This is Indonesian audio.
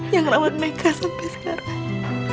yang rawat mereka sampai sekarang